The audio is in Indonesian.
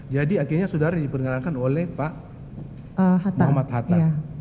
jadi akhirnya saudara diperkenalkan oleh pak muhammad hatta